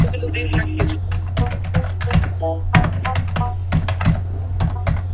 ছোট বোন রোজী খান অস্ট্রেলিয়ায় এবং পরিবারের বাকি সদস্যগণ মার্কিন যুক্তরাষ্ট্রে বসবাস করছেন।